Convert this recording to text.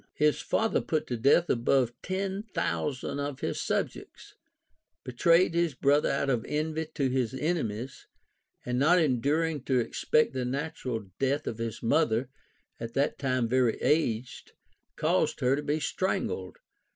His father put to death above ten thousand of his sub jects, betrayed his brother out of envy to his enemies, and not enduring to expect the natural death of his mother, at that time very aged, caused her to be strangled